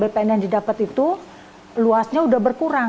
bpn yang didapat itu luasnya sudah berkurang